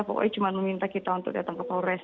pokoknya cuma meminta kita untuk datang ke polres